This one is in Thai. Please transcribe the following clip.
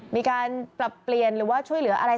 มีการปรับเปลี่ยนหรือว่าช่วยเหลืออะไร